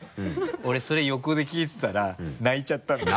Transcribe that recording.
俺それ横で聞いてたら泣いちゃったんだよね。